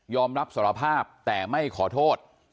รับสารภาพแต่ไม่ขอโทษ